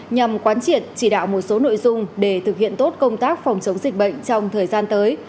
nhằm quán triệt chỉ đạo một số nội dung để thực hiện tốt công tác phòng chống dịch bệnh trong thời gian tới